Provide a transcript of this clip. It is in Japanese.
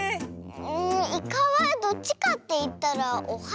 うんイカはどっちかっていったらおはしかな。